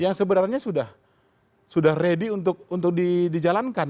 yang sebenarnya sudah ready untuk dijalankan